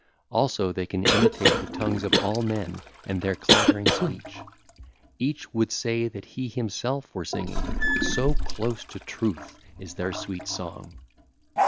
Also they can imitate the tongues of all men and their clattering speech: each would say that he himself were singing, so close to truth is their sweet song.